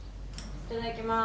いただきます。